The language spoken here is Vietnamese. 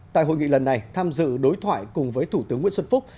tại hội nghị lần này tham dự đối thoại cùng với thủ tướng nguyễn xuân phúc